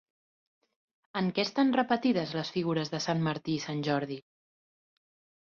En què estan repetides les figures de Sant Martí i Sant Jordi?